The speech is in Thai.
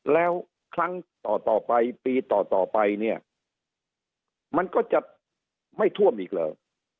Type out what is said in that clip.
แล้วครั้งต่อไปปีต่อไปเนี่ยมันก็จะไม่ท่วมอีกเหรอ